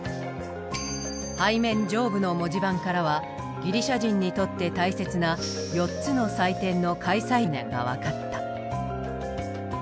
背面上部の文字盤からはギリシャ人にとって大切な４つの祭典の開催年が分かった。